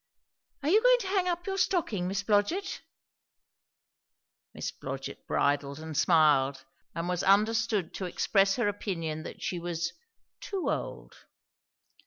"Are you going to hang up your stocking, Miss Blodgett?" Miss Blodgett bridled and smiled and was understood to express her opinion that she was "too old."